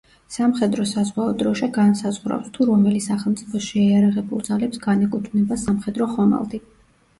სამხედრო-საზღვაო დროშა განსაზღვრავს, თუ რომელი სახელმწიფოს შეიარაღებულ ძალებს განეკუთვნება სამხედრო ხომალდი.